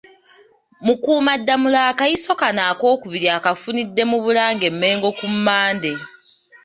Mukuumaddamula akayiso kano akookubiri akafunidde mu Bulange e Mmengo ku Mmande.